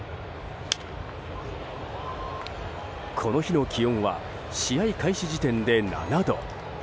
この日の気温は試合開始時点で７度。